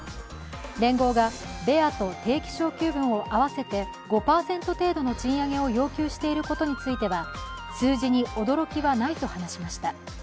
連合がベアと定期昇給分を合わせて５％程度の賃上げを要求していることについては数字に驚きはないと話しました。